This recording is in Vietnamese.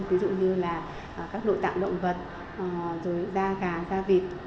ví dụ như là các nội tạng động vật rồi da gà gà da vịt